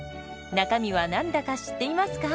中身は何だか知っていますか？